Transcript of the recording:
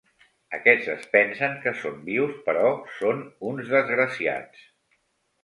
Aquests es pensen que són vius però són uns desgraciats.